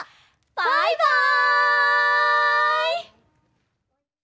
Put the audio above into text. バイバイ！